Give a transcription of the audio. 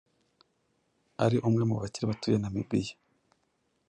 ari umwe mubakire batuye Namibia,